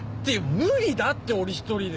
無理だって俺一人で。